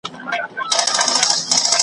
په لوی ډنډ کي اوبه کمي سوې ترخې سوې .